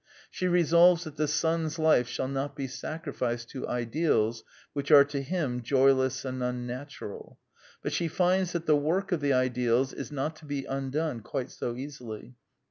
She resolves that the son's life shall not be sacrificed to ideals which are to him joyless and unnatural. But she finds that the work of the ideals is not to be undone quite so easily.